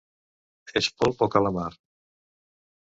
És polp o calamar?